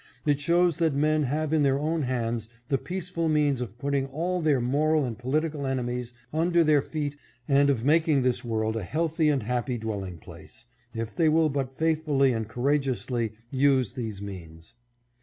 It shows that men have in their own hands the peaceful means of putting all their moral and political enemies under their feet and of making this world a healthy and happy dwelling place, if they will but faith fully and courageously use these means.